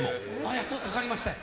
やっとかかりましたよ。